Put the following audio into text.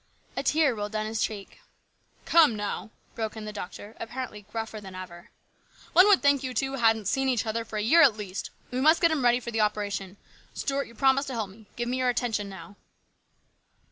A tear rolled down his face. " Come now," broke in the doctor, apparently gruffer than ever. " One would think you two hadn't seen each other for a year at least ! We must get him ready for the operation. Stuart, you promised to help me. Give me your attention now."